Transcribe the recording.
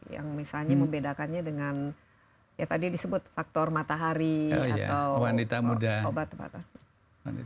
yang misalnya membedakannya dengan ya tadi disebut faktor matahari atau obat obatan